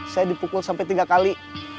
saya dipukul sampai tiga kali